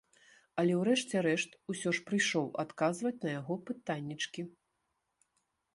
Але ў рэшце рэшт усё ж прыйшоў адказваць на яго пытаннечкі.